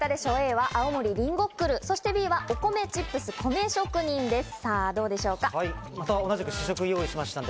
Ａは「青森りんごっくる」、Ｂは「お米チップス米職人」です。